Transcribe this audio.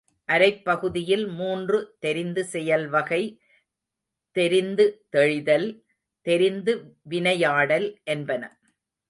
அரைப்பகுதியில் மூன்று தெரிந்து செயல்வகை, தெரிந்து தெளிதல், தெரிந்து வினையாடல்—என்பன.